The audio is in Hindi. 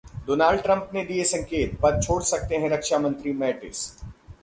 डोनाल्ड ट्रंप ने दिए संकेत- पद छोड़ सकते हैं रक्षा मंत्री मैटिस